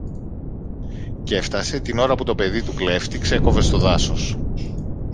κι έφθασε την ώρα που το παιδί του κλέφτη ξέκοβε στο δάσος.